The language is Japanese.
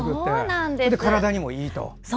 体にもいいと。